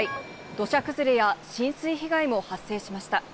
土砂崩れや浸水被害も発生しました。